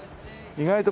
意外と。